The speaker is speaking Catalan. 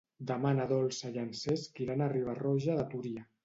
Demà na Dolça i en Cesc iran a Riba-roja de Túria.